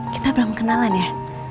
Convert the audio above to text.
kita belum kenalan ya